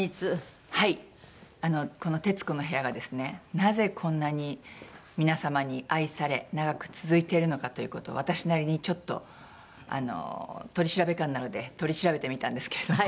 なぜこんなに皆様に愛され長く続いているのかという事を私なりにちょっと取調官なので取り調べてみたんですけれども。